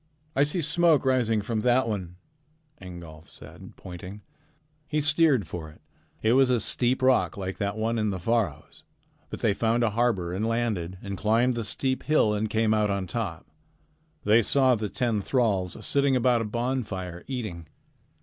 "I see smoke rising from that one," Ingolf said, pointing. He steered for it. It was a steep rock like that one in the Faroes, but they found a harbor and landed and climbed the steep hill and came out on top. They saw the ten thralls sitting about a bonfire eating.